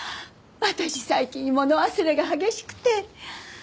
私最近物忘れが激しくて。